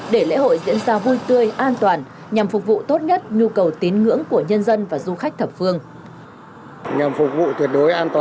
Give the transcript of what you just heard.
để lễ hội diễn ra vui tươi an toàn nhằm phục vụ tốt nhất